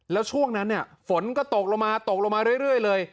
แล้วช่วงนั้นฝนก็ตกลงมาตกลงมาเรื่อยเลย